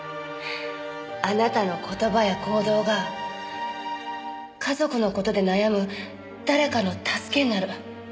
あなたの言葉や行動が家族の事で悩む誰かの助けになる。